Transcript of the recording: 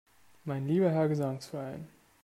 Mein lieber Herr Gesangsverein!